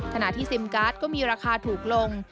ขณะที่ซิมการ์ดก็มีราคาถูกลง